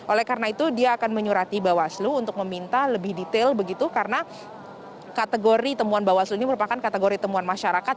oleh karena itu dia akan menyurati bawaslu untuk meminta lebih detail begitu karena kategori temuan bawaslu ini merupakan kategori temuan masyarakat